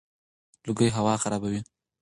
لوګي هوا خرابوي.